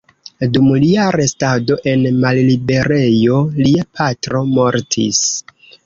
Dum lia restado en malliberejo lia patro mortis.